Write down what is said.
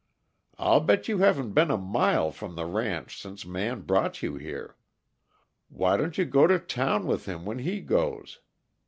"I'll bet you haven't been a mile from the ranch since Man brought you here. Why don't you go to town with him when he goes?